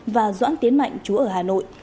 và doãn tiến mạnh trú ở hà nội